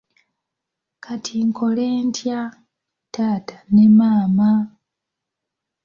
Kati nkole ntya, taata ne maama?